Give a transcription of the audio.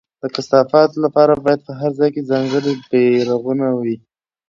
د کثافاتو لپاره باید په هر ځای کې ځانګړي بېرغونه وي.